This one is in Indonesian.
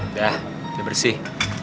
udah udah bersih